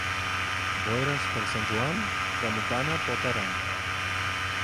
Boires per Sant Joan, tramuntana portaran.